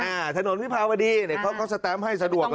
อ่าถนนวิพาวดีเนี่ยเขาก็สแตมป์ให้สะดวกเลย